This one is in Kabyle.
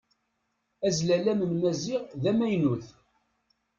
Azlalam n Maziɣ d amaynut.